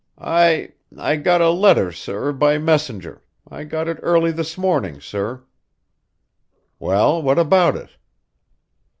"I I got a letter, sir, by messenger. I got it early this morning, sir." "Well, what about it?"